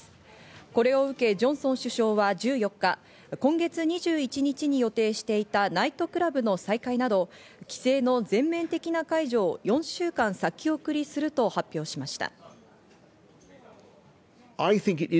これを受け、ジョンソン首相は１４日、今月２１日に予定していたナイトクラブの再開など、規制の全面的な解除を４週間先送りすると発表しました。